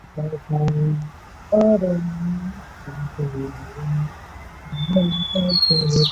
民国中央国术馆称为六合门。